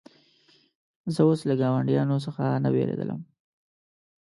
زه اوس له ګاونډیانو څخه نه بېرېدلم.